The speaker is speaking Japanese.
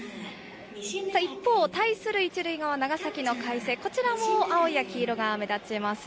一方、対する１塁側、長崎の海星、こちらも青や黄色が目立ちます。